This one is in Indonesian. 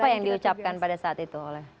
apa yang diucapkan pada saat itu